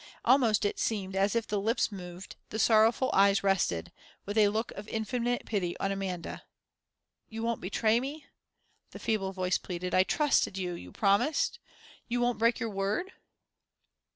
Almost it seemed as if the lips moved, the sorrowful eyes rested, with a look of infinite pity, on Amanda ...... "You won't betray me?" the feeble voice pleaded. "I trusted you you promised? You won't break your word?"